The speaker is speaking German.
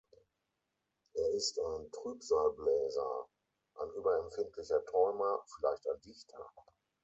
Er ist ein Trübsalbläser, ein überempfindlicher Träumer, vielleicht ein Dichter.